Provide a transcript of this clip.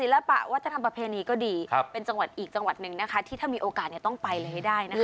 ลปะวัฒนธรรมประเพณีก็ดีเป็นจังหวัดอีกจังหวัดหนึ่งนะคะที่ถ้ามีโอกาสต้องไปเลยให้ได้นะคะ